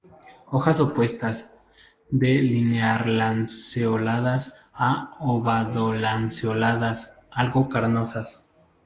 Hojas opuestas, de linear-lanceoladas a ovado-lanceoladas, algo carnosas.